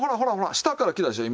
下からきたでしょう